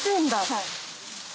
はい。